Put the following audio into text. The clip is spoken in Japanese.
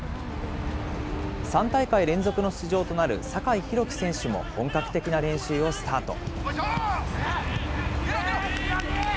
３大会連続の出場となる酒井宏樹選手も本格的な練習をスタート。